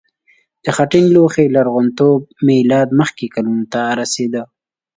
د خټین لوښي لرغونتوب میلاد مخکې کلونو ته رسیده.